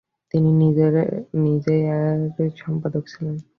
তিনি নিজেই এর সম্পাদক ছিলেন।